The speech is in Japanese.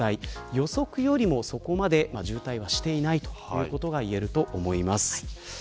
予測よりも、そこまで渋滞はしていないということが言えると思います。